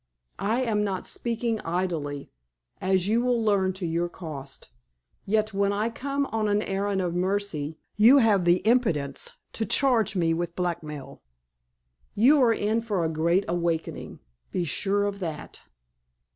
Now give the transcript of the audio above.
I am not speaking idly, as you will learn to your cost. Yet, when I come on an errand of mercy, you have the impudence to charge me with blackmail. You are in for a great awakening. Be sure of that!"